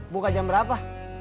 buka jam berapa